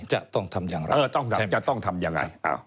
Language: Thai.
จะต้องทำอย่างไร